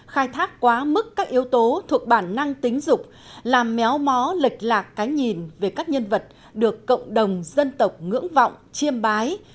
khai thác quá mức các yếu tố thuộc bản năng tính dục làm méo mó lệch lạc cái nhìn về các nhân vật được cộng đồng dân tộc ngưỡng vọng chiêm bái